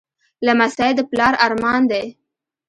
لمسی د پلار ارمان دی.